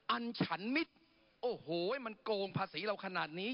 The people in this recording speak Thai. อันฉันมิตรโอ้โหมันโกงภาษีเราขนาดนี้